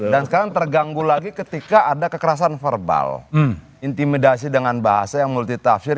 dan sekarang terganggu lagi ketika ada kekerasan verbal intimidasi dengan bahasa yang multi tafsir